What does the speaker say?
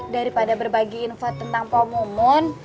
daripada berbagi info tentang poh mumun